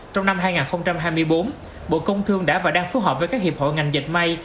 trong năm hai nghìn hai mươi bốn bộ công thương đã và đang phù hợp với các hiệp hội ngành dịch may